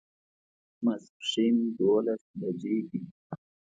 ماسپښین دوولس بجې دي